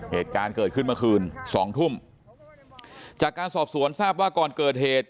เหตุการณ์เกิดขึ้นเมื่อคืนสองทุ่มจากการสอบสวนทราบว่าก่อนเกิดเหตุ